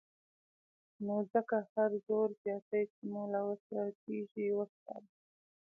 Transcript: نو ځکه هر زور زياتی چې مو له وسې کېږي وسپاره.